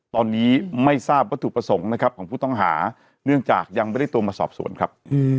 ตอนนี้ไม่ทราบวัตถุประสงค์นะครับของผู้ต้องหาเนื่องจากยังไม่ได้ตัวมาสอบสวนครับ